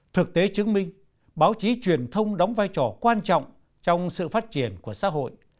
thực tế chứng minh báo chí truyền thông đóng vai trò quan trọng trong sự phát triển của xã hội